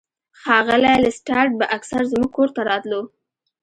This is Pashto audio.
ښاغلی لیسټرډ به اکثر زموږ کور ته راتلو.